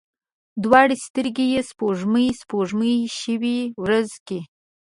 دواړې سترګي یې سپوږمۍ، سپوږمۍ شوې ورځ کې